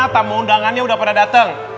tamu undangannya udah pada dateng